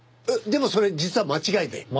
でもそれ実は間違いで。